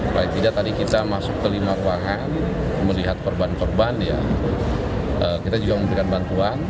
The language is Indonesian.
apalagi tadi kita masuk ke lima ruangan melihat perban perban